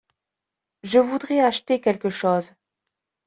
Je voudrais acheter quelque chose.